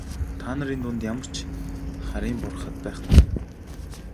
Та нарын дунд ямар ч харийн бурхад байхгүй.